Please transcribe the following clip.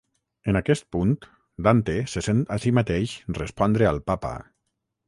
En aquest punt Dante se sent a si mateix respondre al Papa.